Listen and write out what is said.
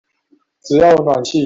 只要有暖氣